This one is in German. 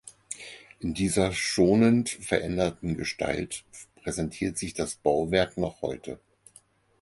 In dieser schonend veränderten Gestalt präsentiert sich das Bauwerk noch heute.